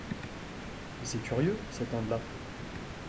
Et c’est curieux, cette Inde-là?